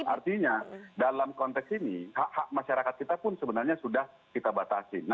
artinya dalam konteks ini hak hak masyarakat kita pun sebenarnya sudah kita batasi